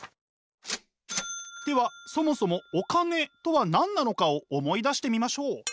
ではそもそもお金とは何なのかを思い出してみましょう。